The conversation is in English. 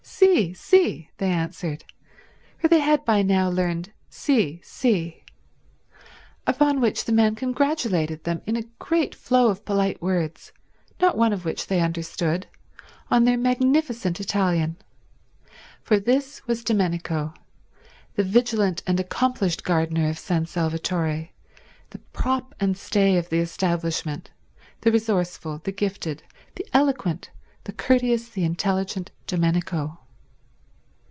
"Sì, sì," they answered, for they had by now learned si, si. Upon which the man congratulated them in a great flow of polite words, not one of which they understood, on their magnificent Italian; for this was Domenico, the vigilant and accomplished gardener of San Salvatore, the prop and stay of the establishment, the resourceful, the gifted, the eloquent, the courteous, the intelligent Domenico.